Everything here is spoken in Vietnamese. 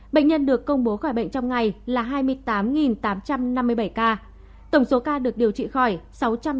bệnh nhân được công bố khỏi bệnh trong ngày là hai mươi tám tám trăm năm mươi bảy ca tổng số ca được điều trị khỏi sáu trăm sáu mươi bốn chín trăm ba mươi tám ca